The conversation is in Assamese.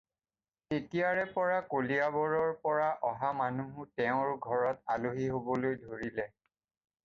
তেতিয়াৰে পৰা কলিয়াবৰৰ পৰা অহা মানুহো তেওঁৰ ঘৰত আলহী হ'বলৈ ধৰিলে।